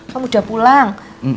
kamu udah pulang